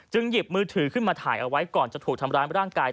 หยิบมือถือขึ้นมาถ่ายเอาไว้ก่อนจะถูกทำร้ายร่างกาย